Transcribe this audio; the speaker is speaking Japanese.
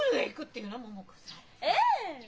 ええ！